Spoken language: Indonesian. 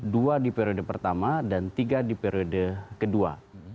dua di periode pertama dan tiga di periode kedua